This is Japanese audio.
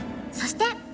そして！